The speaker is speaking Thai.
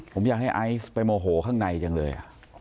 ผมอยากให้ไอซ์ไปโมโหข้างในจังเลย